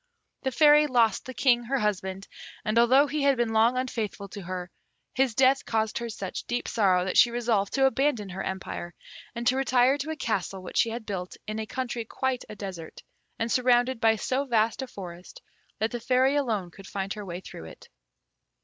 The Fairy lost the King, her husband, and although he had been long unfaithful to her, his death caused her such deep sorrow, that she resolved to abandon her empire, and to retire to a castle which she had built in a country quite a desert, and surrounded by so vast a forest that the Fairy alone could find her way through it.